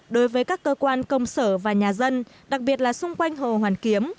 đối với các cơ quan công sở và nhà dân đặc biệt là xung quanh hồ hoàn kiếm